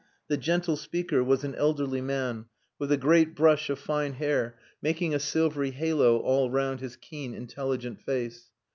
The gentle speaker was an elderly man, with a great brush of fine hair making a silvery halo all round his keen, intelligent face.